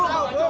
nggak tahu ibu